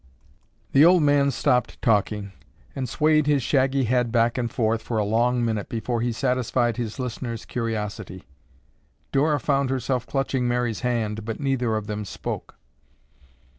The old man stopped talking and swayed his shaggy head back and forth for a long minute before he satisfied his listeners' curiosity. Dora found herself clutching Mary's hand but neither of them spoke.